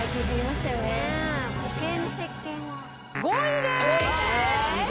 ５位でーす！